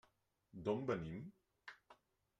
D'on venim?